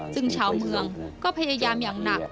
ซึ่งชาวเมืองก็พยายามอย่างหนัก